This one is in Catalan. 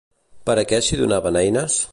Per a què s'hi donaven eines?